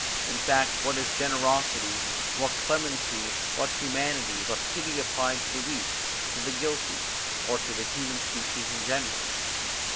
In fact, what is generosity, what clemency, what humanity, but pity applied to the weak, to the guilty, or to the human species in general?